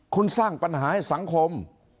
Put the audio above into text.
คุณสร้างปัญหาให้สังคม